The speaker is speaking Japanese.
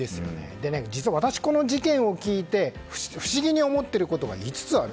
実は私、この事件を聞いて不思議に思っていることが５つある。